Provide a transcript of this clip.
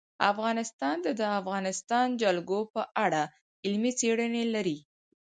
افغانستان د د افغانستان جلکو په اړه علمي څېړنې لري.